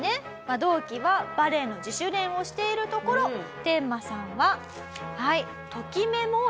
同期はバレエの自主練をしているところテンマさんははい。